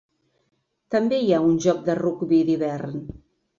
També hi ha un joc de rugbi d'hivern.